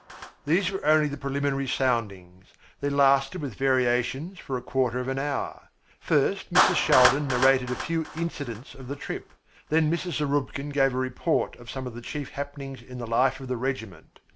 These were only the preliminary soundings. They lasted with variations for a quarter of an hour. First Mrs. Shaldin narrated a few incidents of the trip, then Mrs. Zarubkin gave a report of some of the chief happenings in the life of the regiment.